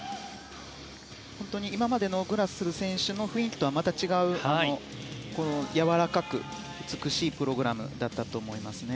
本当に今までのグラスル選手の雰囲気とはまた違う、やわらかく美しいプログラムだったと思います。